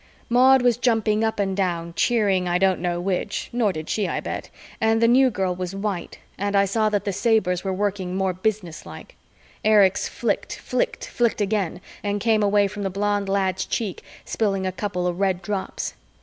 Maud was jumping up and down, cheering I don't know which nor did she, I bet and the New Girl was white and I saw that the sabers were working more businesslike. Erich's flicked, flicked, flicked again and came away from the blond lad's cheek spilling a couple of red drops.